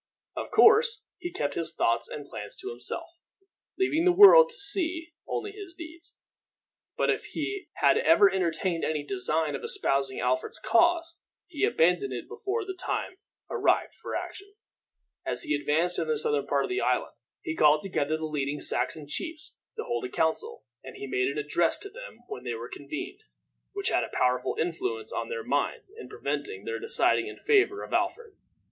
Of course, he kept his thoughts and plans to himself, leaving the world to see only his deeds. But if he had ever entertained any design of espousing Alfred's cause, he abandoned it before the time arrived for action. As he advanced into the southern part of the island, he called together the leading Saxon chiefs to hold a council, and he made an address to them when they were convened, which had a powerful influence on their minds in preventing their deciding in favor of Alfred.